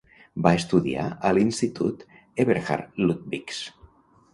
Va estudiar a l"institut Eberhard-Ludwigs.